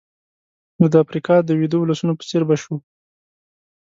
نو د افریقا د ویدو ولسونو په څېر به شو.